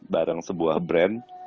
bareng sebuah brand